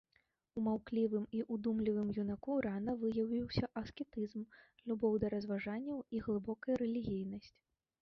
У маўклівым і удумлівым юнаку рана выявіўся аскетызм, любоў да разважанняў і глыбокая рэлігійнасць.